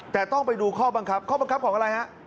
แต่ต้องไปดูข้อบังคับข้อบังคับของอะไรฮะ